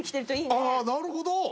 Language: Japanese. あーなるほど！